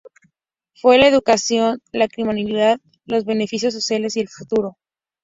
Fue la educación, la criminalidad, los beneficios sociales y el futuro.